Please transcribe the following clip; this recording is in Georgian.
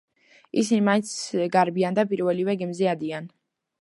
ისინი მაინც გარბიან და პირველივე გემზე ადიან.